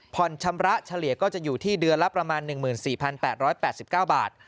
ชำระเฉลี่ยก็จะอยู่ที่เดือนละประมาณ๑๔๘๘๙บาท